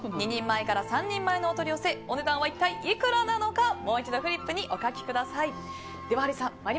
２人前から３人前のお取り寄せお値段は一体いくらなのかもう一度フリップにお書きください。